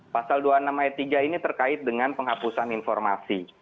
pasal dua puluh enam ayat tiga ini terkait dengan penghapusan informasi